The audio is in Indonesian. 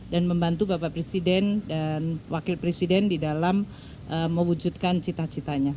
dan membantu bapak presiden dan wakil presiden di dalam mewujudkan cita citanya